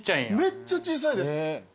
めっちゃ小さいです。